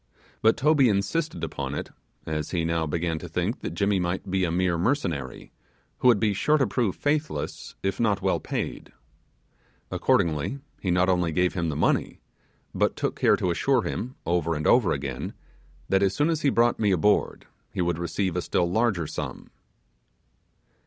But Toby insisted upon it, as he now began to think that Jimmy might be a mere mercenary, who would be sure to prove faithless if not well paid. Accordingly he not only gave him the money, but took care to assure him, over and over again, that as soon as he brought me aboard he would receive a still larger sum.